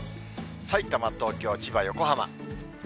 さいたま、東京、千葉、横浜。